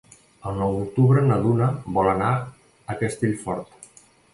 El nou d'octubre na Duna vol anar a Castellfort.